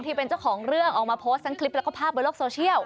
ที่เป็นเจ้าของเรื่องออกมาโพสต์ทั้งคลิปแล้วก็ภาพบนโลกโซเชียล